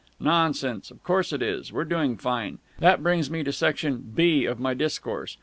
"Nonsense! Of course it is! We're doing fine. That brings me to section (b) of my discourse.